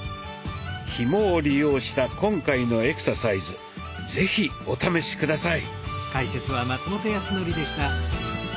ひもを利用した今回のエクササイズ是非お試し下さい。